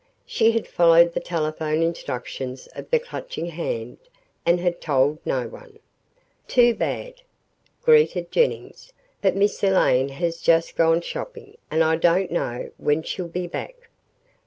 She had followed the telephone instructions of the Clutching Hand and had told no one. "Too bad," greeted Jennings, "but Miss Elaine has just gone shopping and I don't know when she'll be back."